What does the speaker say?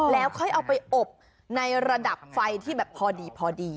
แล้วค่อยเอาไปอบในระดับไฟที่แบบพอดีพอดี